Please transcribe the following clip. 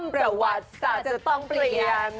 ประวัติศาสตร์จะต้องเปลี่ยน